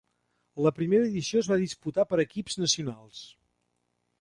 La primera edició es va disputar per equips nacionals.